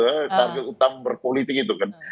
sebagai target utama gitu target utama berpolitik itu kan